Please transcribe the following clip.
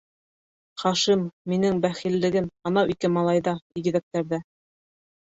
Хашим... минең бәхиллегем - анау ике малайҙа... игеҙәктәрҙә...